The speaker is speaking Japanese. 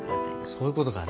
そういうことか。